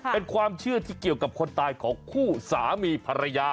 เป็นความเชื่อที่เกี่ยวกับคนตายของคู่สามีภรรยา